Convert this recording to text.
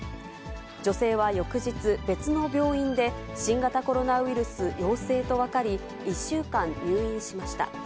女性は翌日、別の病院で新型コロナウイルス陽性と分かり、１週間入院しました。